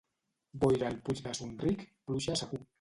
Boira al Puig de Son Ric, pluja segur.